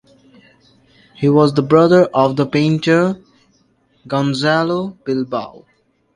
He was the brother of the painter Gonzalo Bilbao.